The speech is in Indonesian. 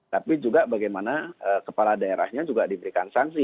tapi juga bagaimana kepala daerahnya juga diberikan sanksi